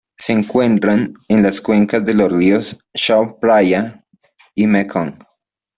Se encuentran en las cuencas de los ríos Chao Phraya y Mekong.